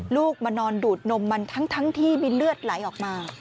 ลูกมานอนดูดนมมันทั้งที่มีเลือดไหลออกมา